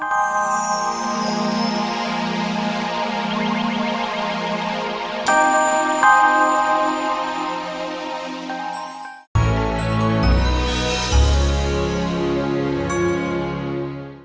kamu tuh anak dua satunya